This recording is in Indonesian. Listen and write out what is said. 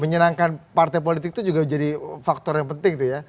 menyenangkan partai politik itu juga jadi faktor yang penting tuh ya